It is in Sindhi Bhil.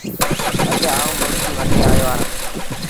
اَڄ آئوٚݩ مرگي وٺي آيو اهآݩ